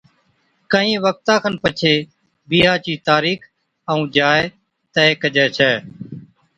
ڪھين وقتا کن پڇي بِيھا چِي تاريخ ائُون جاءِ طئي ڪجي ڇَي